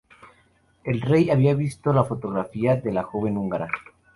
El rey había visto la fotografía de la joven húngara.